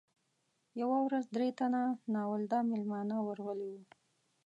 یوه ورځ درې تنه ناولده میلمانه ورغلي وو.